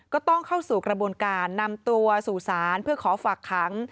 ก็ต้องเข้าสู่กระบวนการนำตัวสู่ศาลเพื่อขอฝากขัง